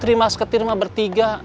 terima seketir mah bertiga